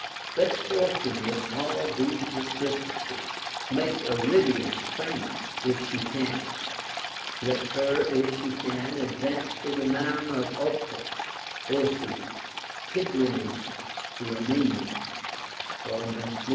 Let Fortune, with all these assistances, make Aridaeus famous, if she can ; let her, if she can, advance the renown of Ochus, Amasis, Oarses, Tigranes the Armenian, or Nico voL. I.